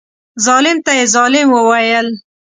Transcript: ظالم ته یې ظالم وویل.